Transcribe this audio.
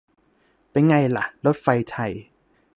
เป็นไงล่ะ รถไฟไทย